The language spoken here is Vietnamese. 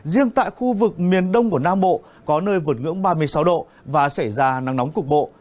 riêng tại khu vực miền đông của nam bộ có nơi vượt ngưỡng ba mươi sáu độ và xảy ra nắng nóng cục bộ